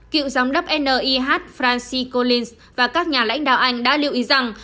cựu giám đốc nih francis collins và các nhà lãnh đạo anh đã lưu ý rằng